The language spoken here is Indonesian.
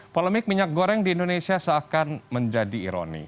polemik minyak goreng di indonesia seakan menjadi ironi